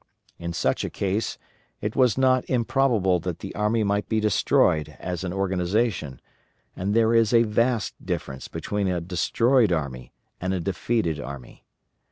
In such a case it was not improbable that the army might be destroyed as an organization, and there is a vast difference between a destroyed army and a defeated army.